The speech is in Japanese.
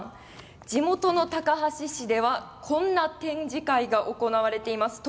地元の高梁市ではこんな展示会が行われています。